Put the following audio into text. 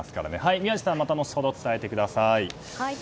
宮司さんまた後ほど伝えてください。